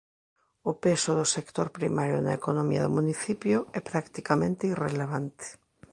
O peso do sector primario na economía do municipio é practicamente irrelevante.